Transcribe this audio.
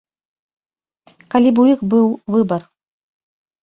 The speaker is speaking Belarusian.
Калі б у іх быў выбар.